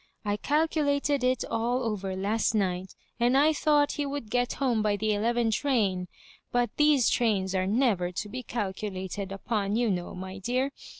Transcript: I calculated it all over last night, and I thought he would get home by the eleven train; but these trains are never to be calculated upon, you know, my dear.